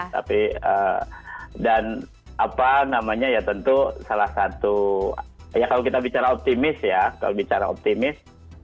tapi dan apa namanya ya tentu salah satu ya kalau kita bicara optimis ya kalau bicara optimis